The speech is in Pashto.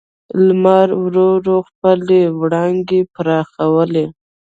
لمر ورو ورو خپلې وړانګې پراخولې.